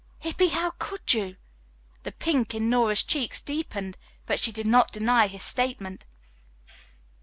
"Hippy, how could you?" The pink in Nora's cheeks deepened, but she did not deny his statement.